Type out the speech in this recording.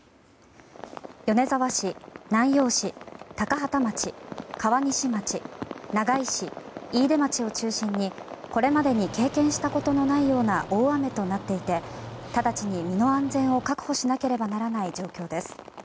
米沢市、南陽市、高畠町川西町、長井市、飯豊町を中心にこれまでに経験したことのないような大雨となっていて直ちに身の安全を確保しなければならない状況です。